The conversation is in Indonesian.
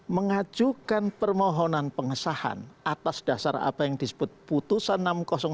mengajukan permohonan pengesahan atas dasar apa yang disebut putusan enam ratus dua